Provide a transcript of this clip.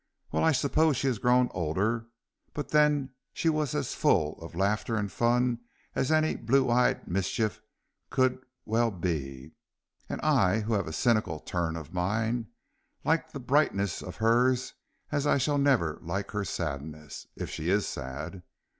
"Well, I suppose she has grown older, but then she was as full of laughter and fun as any blue eyed Mischief could well be, and I, who have a cynical turn of mind, liked the brightness of hers as I shall never like her sadness if she is sad.